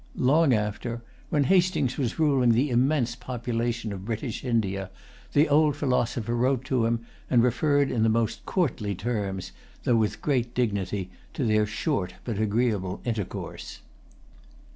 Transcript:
Long after, when Hastings was ruling the immense population of British India, the old philosopher wrote to him, and referred in the most courtly terms, though with great dignity, to their short but agreeable intercourse.